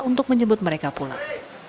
untuk menjemput mereka pulang